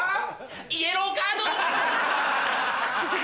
イエローカード！